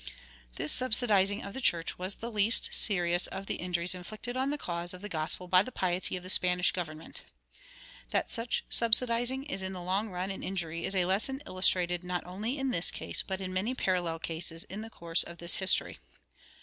This subsidizing of the church was the least serious of the injuries inflicted on the cause of the gospel by the piety of the Spanish government. That such subsidizing is in the long run an injury is a lesson illustrated not only in this case, but in many parallel cases in the course of this history.